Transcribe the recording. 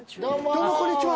どうもこんにちは。